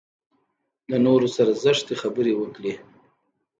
له نورو سره زشتې خبرې وکړي.